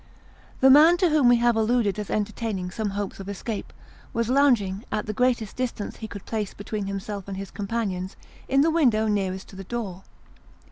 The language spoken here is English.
The man to whom we have alluded as entertaining some hopes of escape, was lounging, at the greatest distance he could place between himself and his companions, in the window nearest to the door.